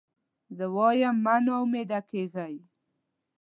زه وایم مه نا امیده کېږی.